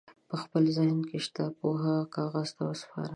په خپل ذهن کې شته پوهه کاغذ ته وسپارئ.